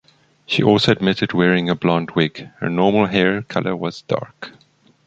She also admitted wearing a blond wig; her normal hair color was dark.